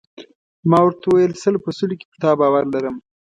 ما ورته وویل: سل په سلو کې پر تا باور لرم.